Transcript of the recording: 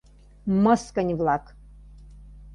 МЫСКЫНЬ-ВЛАК